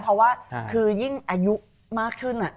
เพราะว่าคือยิ่งอายุมากขึ้น